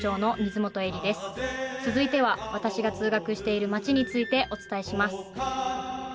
続いては私が通学している街についてお伝えします。